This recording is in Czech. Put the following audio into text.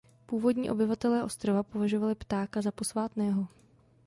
Původní obyvatelé ostrova považovali ptáka za posvátného.